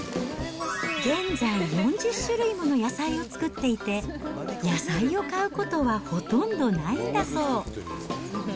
現在、４０種類もの野菜を作っていて、野菜を買うことはほとんどないんだそう。